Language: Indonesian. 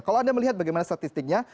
kalau anda melihat bagaimana statistiknya